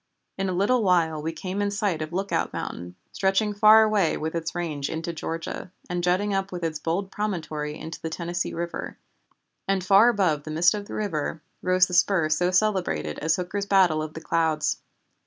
In a little while we came in sight of Lookout Mountain, stretching far away with its range into Georgia, and jutting up with its bold promontory into the Tennessee River, and far above the mist of the river rose the spur so celebrated as Hooker's Battle of the Clouds.